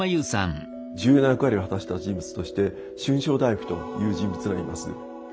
重要な役割を果たした人物として春松大夫という人物がいます。